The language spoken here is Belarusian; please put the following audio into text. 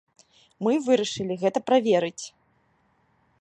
Мы вырашылі гэта праверыць.